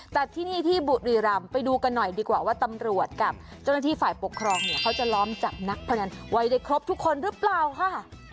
แต่ที่นี่ที่บุรีรำไปดูกันหน่อยดีกว่าว่าตำรวจกับเจ้าหน้าที่ฝ่ายปกครองเนี่ยเขาจะล้อมจับนักพนันไว้ได้ครบทุกคนหรือเปล่าค่ะ